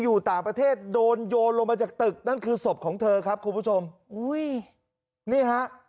อยู่ต่างประเทศโดนโยนลงมาจากตึกนั่นคือศพของเธอครับคุณผู้ชมอุ้ยนี่ฮะ